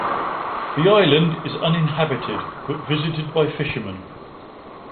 The island is uninhabited but visited by fishermen.